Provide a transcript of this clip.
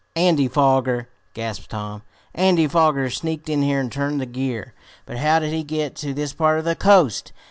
"Andy Foger!" gasped Tom. "Andy Foger sneaked in here and turned the gear. But how did he get to this part of the coast?